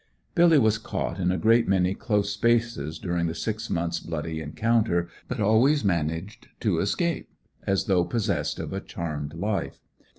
Billy was caught in a great many close places during the six month's bloody encounter, but always managed to escape, as though possessed of a charmed life.